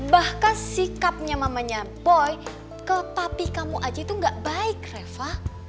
bahkan sikapnya mamanya boy ke papi kamu aja itu gak baik reva